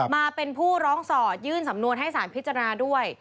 มาเป็นผู้ร้องสอดยื่นสำนวนให้สารพิจารณาด้วย